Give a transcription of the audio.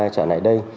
trở lại đây